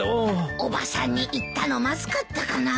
おばさんに言ったのまずかったかなあ。